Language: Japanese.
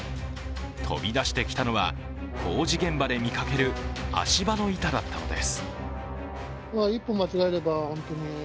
飛び出してきたのは工事現場で見かける足場の板だったのです。